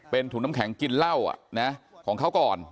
เป็นถุงน้ำแข็งกินเหล้าของเขาก่อน